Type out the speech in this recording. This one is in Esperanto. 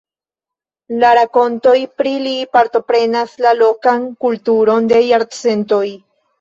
La rakontoj pri li partoprenas la lokan kulturon de jarcentoj.